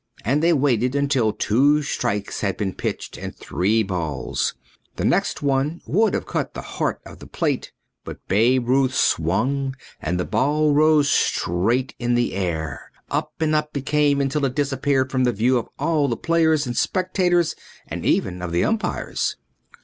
And they waited until two strikes had been pitched and three balls. The next one would have cut the heart of the plate, but Babe Ruth swung and the ball rose straight in the air. Up and up it came until it disappeared from the view of all the players and spectators and even of the umpires.